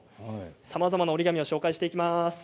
さまざまな折り紙を紹介していきます。